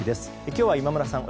今日は今村さん